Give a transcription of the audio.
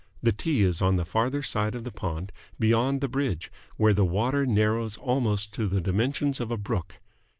The tee is on the farther side of the pond, beyond the bridge, where the water narrows almost to the dimensions of a brook.